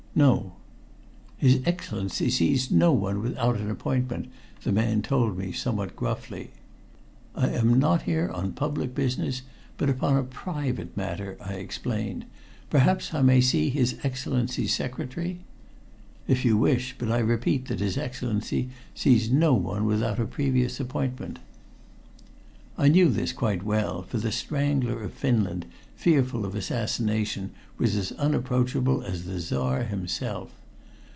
"No." "His Excellency sees no one without an appointment," the man told me somewhat gruffly. "I am not here on public business, but upon a private matter," I explained. "Perhaps I may see his Excellency's secretary?" "If you wish, but I repeat that his Excellency sees no one without a previous appointment." I knew this quite well, for the "Strangler of Finland," fearful of assassination, was as unapproachable as the Czar himself.